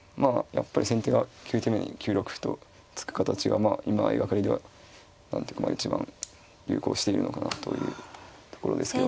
やっぱり先手が９手目に９六歩と突く形がまあ今相掛かりでは何ていうか一番流行しているのかなというところですけど。